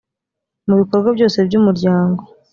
mu bikorwa byose by umuryango